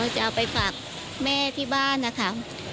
จะเอาไปฝากแม่ที่บ้านนะคะ